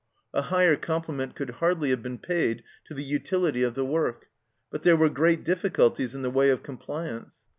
A higher compli ment could hardly have been paid to the utility of the work, but there were great difficulties in the way of compliance.